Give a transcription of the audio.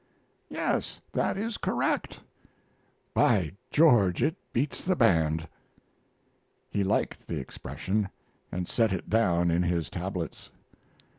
"Yes, that is correct." "By George, it beats the band!" He liked the expression, and set it down in his tablets.